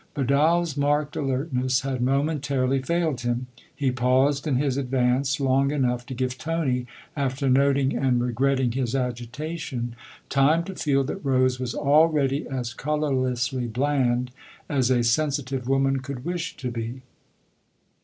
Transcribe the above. Vidal's marked alertness had momentarily failed him ; he paused in his advance long enough to give Tony, after noting and regretting his agitation, time to feel that Rose was already as colourlessly bland as a sensitive woman could wish to be.